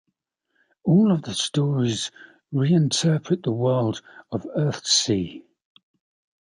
All of the stories reinterpret the world of Earthsea.